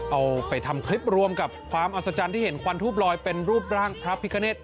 เอาไปทำคลิปรวมกับความอัศจรรย์ที่เห็นควันทูบลอยเป็นรูปร่างพระพิคเนต